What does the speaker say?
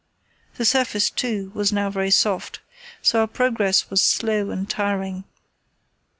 The surface, too, was now very soft, so our progress was slow and tiring.